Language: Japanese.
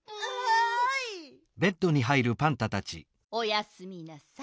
おやすみなさい。